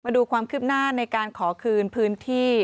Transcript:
ดูความคืบหน้าในการขอคืนพื้นที่